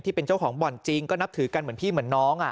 ที่เป็นเจ้าของบ่อนจริงก็นับถือกันเหมือนพี่เหมือนน้อง